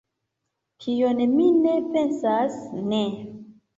Tion mi ne pensas, ne!